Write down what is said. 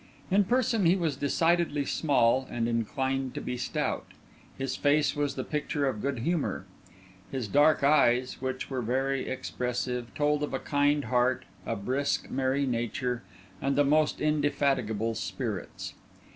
In person he was decidedly small and inclined to be stout; his face was the picture of good humour; his dark eyes, which were very expressive, told of a kind heart, a brisk, merry nature, and the most indefatigable spirits.